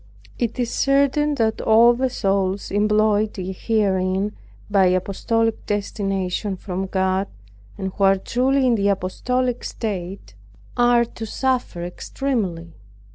It is certain that all the souls employed herein by apostolic destination from God, and who are truly in the apostolic state, are to suffer extremely.